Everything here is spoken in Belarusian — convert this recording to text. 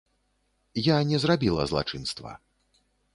Я не зрабіла злачынства.